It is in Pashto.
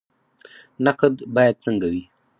نقد باید څنګه وي؟